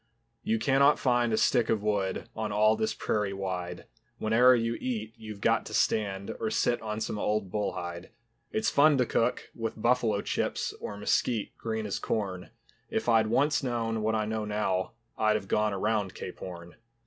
You cannot find a stick of wood On all this prairie wide; Whene'er you eat you've got to stand Or sit on some old bull hide. It's fun to cook with buffalo chips Or mesquite, green as corn, If I'd once known what I know now I'd have gone around Cape Horn.